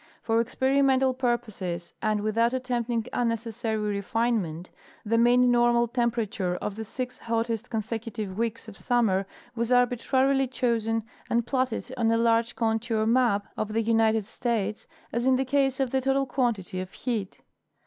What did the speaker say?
For experimental purposes, and without attempting tinnecessary refinement, the mean normal temperature of the six hottest consecutive weeks of summer was arbitrarily chosen and platted on a large contour map of the United States, as in the case of the total quantity of heat.